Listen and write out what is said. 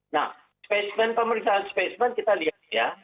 nah spesimen pemeriksaan spesimen kita lihat ya